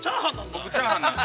◆僕、チャーハンなんで。